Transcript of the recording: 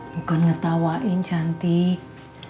bukan ngetawain cantik